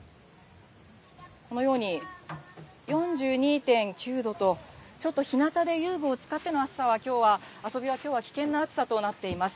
このように、４２．９度と、ちょっとひなたで遊具を使っての暑さは、きょうは、遊びはきょうは危険な暑さとなっています。